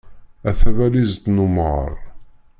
A tabalizt n umɣar.